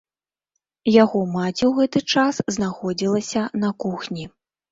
Яго маці ў гэты час знаходзілася на кухні.